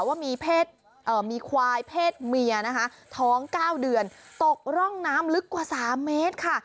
ว่ามีควายเพศเมียนะคะท้อง๙เดือนตกร่องน้ำลึกกว่า๓เมตรค่ะ